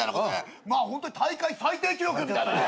まあ大会最低記録みたいなね。